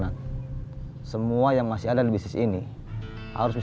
bang itulah sudah kalau saya dan teman aku masih rugi aja